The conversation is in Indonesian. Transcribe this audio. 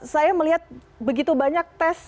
saya melihat begitu banyak tes